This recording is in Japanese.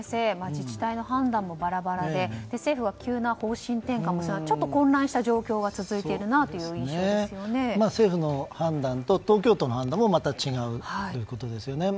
自治体の判断もバラバラで政府は急な方針転換とちょっと混乱した状況が政府の判断と東京都の判断もまた違うということですよね。